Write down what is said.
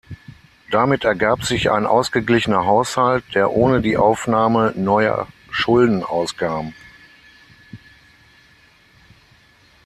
Damit ergab sich ein ausgeglichener Haushalt, der ohne die Aufnahme neuer Schulden auskam.